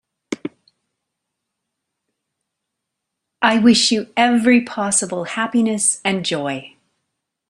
I wish you every possible happiness and joy.